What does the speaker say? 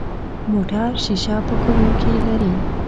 موټر شیشه پاکونکي لري.